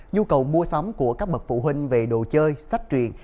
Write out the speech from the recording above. nhu cầu mua sắm của các bậc phụ huynh về đồ chơi sách truyền